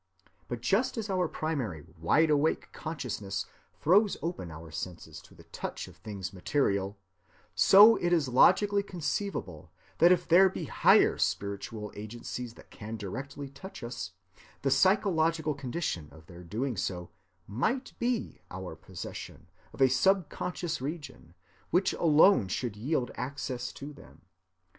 But just as our primary wide‐awake consciousness throws open our senses to the touch of things material, so it is logically conceivable that if there be higher spiritual agencies that can directly touch us, the psychological condition of their doing so might be our possession of a subconscious region which alone should yield access to them.